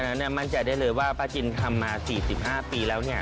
เพราะฉะนั้นมันจะได้เลยว่าป๊าจินทำมา๔๕ปีแล้ว